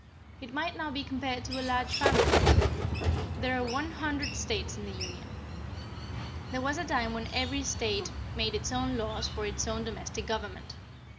It might now be compared to a large family. There are one hundred States in the Union. There was a time when every State made its own laws for its own domestic government.